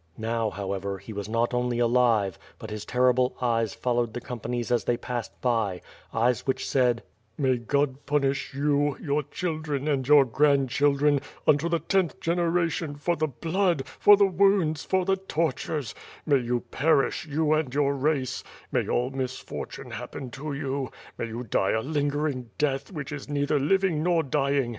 Now, however, he was not only alive, but his terrible eyes followed the companies as they passed by; eyes which said: "May God punish you, your children, and your grandchildren, unto the tenth gen eration for the blood, for the wounds, for the tortures; may you perish, you and your race; may all misfortune happen to you; may you die a lingering death, which is neither living nor dying."